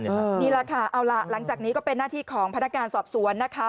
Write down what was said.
นี่แหละค่ะเอาล่ะหลังจากนี้ก็เป็นหน้าที่ของพนักงานสอบสวนนะคะ